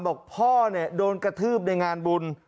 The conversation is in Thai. บอกพ่อเนี่ยโดนกระทืบในงานบุญ